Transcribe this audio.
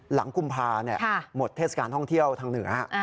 กุมภาหมดเทศกาลท่องเที่ยวทางเหนือ